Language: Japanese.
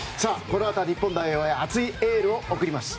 この後は日本代表へ熱いエールを送ります。